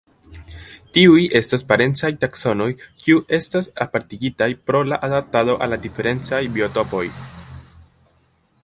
Tiuj estas parencaj taksonoj kiu estas apartigitaj pro la adaptado al diferencaj biotopoj.